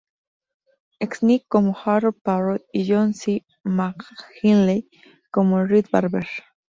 Knight como Harold Parrot y John C. McGinley como Red Barber.